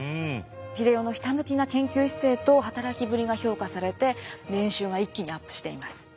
英世のひたむきな研究姿勢と働きぶりが評価されて年収が一気にアップしています。